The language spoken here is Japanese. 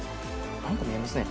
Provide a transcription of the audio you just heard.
何か見えますね